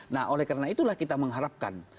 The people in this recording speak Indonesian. nah oleh karena itulah kita mengharapkan